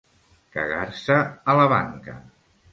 Cagar-se a la banca.